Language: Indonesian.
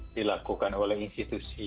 dilakukan oleh institusi